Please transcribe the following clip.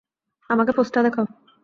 আমাকে পোস্টটা দেখাও।